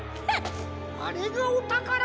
あれがおたからか。